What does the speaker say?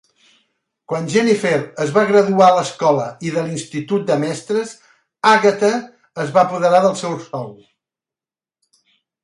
Quan Jennifer es va graduar a l'escola i de l'institut de mestres, Agatha es va apoderar del seu sou.